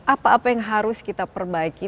apa apa yang harus kita perbaiki